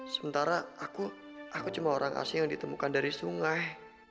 sementara aku cuma orang asing yang ditemukan dari sungai